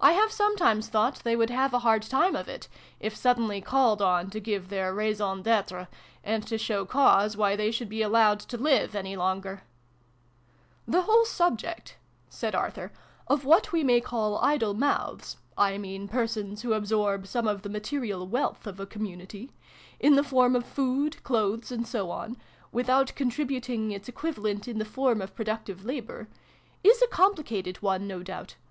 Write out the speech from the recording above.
I have sometimes thought they would have a hard time of it, if suddenly called on to give their raison detre, and to show cause why they should be allowed to live any longer !"" The whole subject," said Arthur, " of what we may call 'idle mouths' (I mean persons who absorb some of the material wealth of a community in the form of food, clothes, and so on without contributing its equivalent in the form of productive labour] is a compli cated one, no doubt.